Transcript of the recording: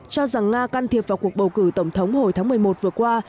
cho rằng nga can thiệp vào cuộc bầu cử tổng thống hồi tháng một mươi một vừa qua